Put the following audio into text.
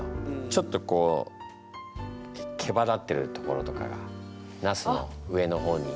ちょっとこうけばだってるところとかがなすの上の方に。